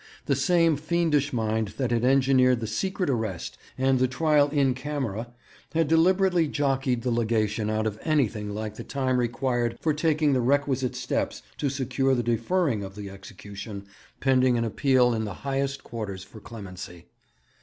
The same fiendish mind that had engineered the secret arrest and the trial in camera had deliberately jockeyed the Legation out of anything like the time required for taking the requisite steps to secure the deferring of the execution, pending an appeal in the highest quarters for clemency.